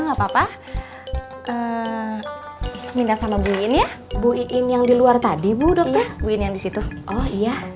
nggak papa eh minta sama bu iin ya bu iin yang di luar tadi bu dokter ya bu iin yang di situ oh